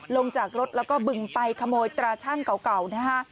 ลงจากรถแล้วก็บึงไปขโมยตราชั่งเก่านะฮะ